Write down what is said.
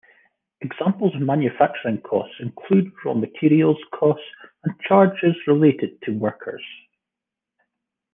Examples of manufacturing costs include raw materials costs and charges related to workers.